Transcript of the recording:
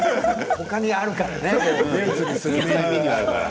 ほかにあるからね。